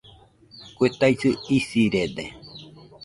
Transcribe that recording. Kue taisɨ isirede